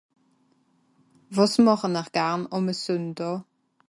Wàs màche-n-r garn àme Sùnndàà ?